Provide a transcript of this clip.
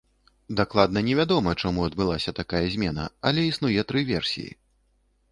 Дакладна невядома, чаму адбылася такая змена, але існуе тры версіі.